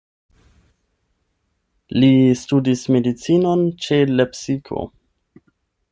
Li studis medicinon ĉe Lepsiko.